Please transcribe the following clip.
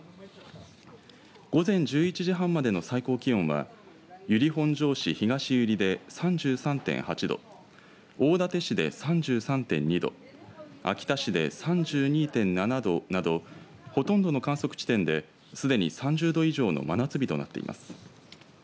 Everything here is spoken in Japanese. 午前１１時半までの最高気温は由利本荘市東由利で３３．８度大館市で３３．２度秋田市で３２．７度などほとんどの観測地点ですでに３０度以上の真夏日となっています。